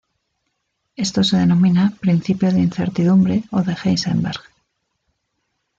Esto se denomina principio de incertidumbre o de Heisenberg.